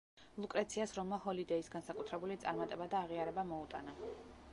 ლუკრეციას როლმა ჰოლიდეის განსაკუთრებული წარმატება და აღიარება მოუტანა.